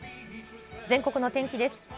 全国の天気です。